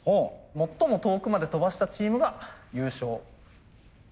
最も遠くまで飛ばしたチームが優勝。